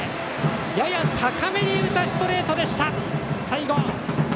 やや高めに浮いたストレートでした、最後。